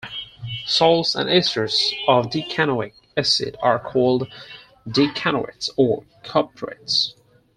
Salts and esters of decanoic acid are called decanoates or "caprates".